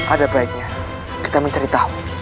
ada baiknya kita menceritakan